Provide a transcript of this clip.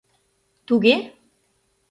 Туге?